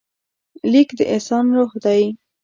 لیک د انسان روح دی.